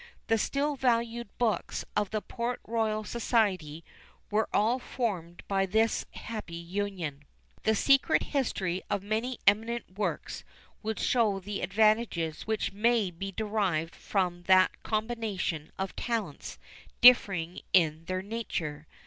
The still valued books of the Port Royal Society were all formed by this happy union. The secret history of many eminent works would show the advantages which may be derived from that combination of talents, differing in their nature.